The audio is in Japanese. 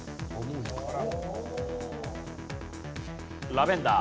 ラベンダー。